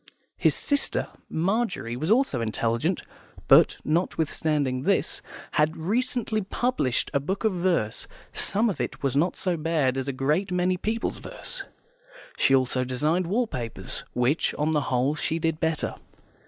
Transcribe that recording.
His sister Margery was also intelligent, but, notwithstanding this, had recently published a book of verse; some of it was not so bad as a great many people's verse. She also designed wall papers, which on the whole she did better.